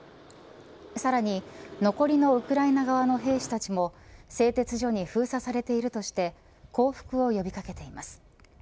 さらに残りのウクライナ側の兵士たちも製鉄所に封鎖されているとして降伏を呼び掛けています。